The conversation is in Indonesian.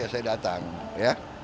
saya datang ya